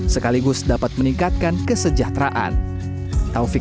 sekaligus dapat meningkatkan keterlibatan masyarakat dalam melakukan mitigasi perubahan iklim